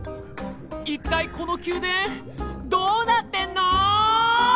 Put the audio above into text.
一体この宮殿どうなってんの！